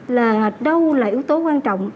là đâu là yếu tố quan trọng